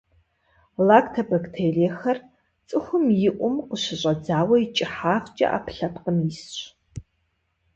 Лактобактериехэр – цӏыхум и ӏум къыщыщӏэдзауэ икӏыхьагъкӏэ ӏэпкълъэпкъым исщ.